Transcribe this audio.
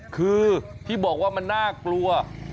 คือที่บอกว่ามันน่ากลัว